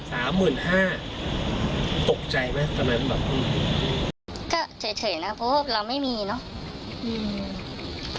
สามหมื่นห้าตกใจไหมทำไมมันแบบก็เฉยเฉยแล้วเพราะว่าเราไม่มีเนอะอืม